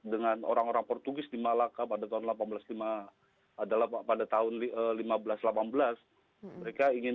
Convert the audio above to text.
dengan orang orang portugis di malaka pada tahun seribu delapan ratus lima adalah pada tahun seribu lima ratus delapan belas mereka ingin